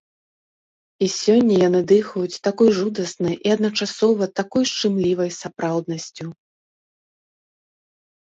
І сёння яны дыхаюць такой жудаснай і адначасова такой шчымлівай сапраўднасцю!